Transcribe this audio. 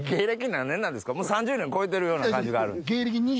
もう３０年超えてるような感じがある。